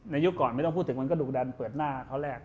ยุคก่อนไม่ต้องพูดถึงมันก็ดุดันเปิดหน้าเขาแรก